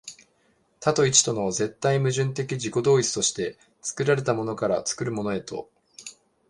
多と一との絶対矛盾的自己同一として、作られたものから作るものへと、